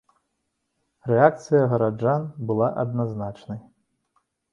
Рэакцыя гараджан была адназначнай.